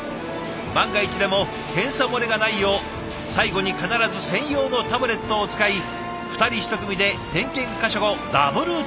万が一でも検査漏れがないよう最後に必ず専用のタブレットを使い２人一組で点検箇所をダブルチェック。